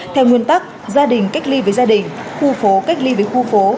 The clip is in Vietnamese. theo nguyên tắc gia đình cách ly với gia đình khu phố cách ly với khu phố